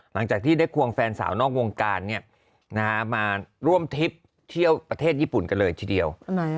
หลังจากที่ได้ควงแฟนสาวนอกวงการมาร่วมทริปเที่ยวประเทศญี่ปุ่นกันเลยทีเดียว